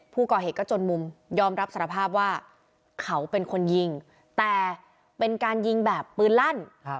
ผู้ก่อเหตุก็จนมุมยอมรับสารภาพว่าเขาเป็นคนยิงแต่เป็นการยิงแบบปืนลั่น